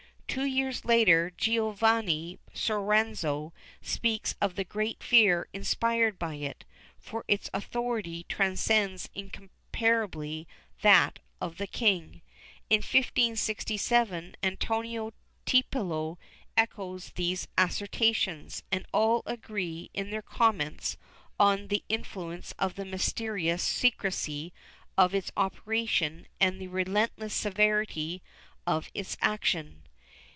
Two years later Giovanni Soranzo speaks of the great fear inspired by it, for its authority transcends incomparably that of the king. In 1567, Antonio Tiepolo echoes these assertions, and all agree in their comments on the influence of the mysterious secrecy of its operation and the relentless severity of its action.